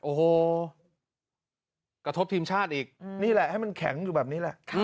โอ้โหกระทบทีมชาติอีกนี่แหละให้มันแข็งอยู่แบบนี้แหละ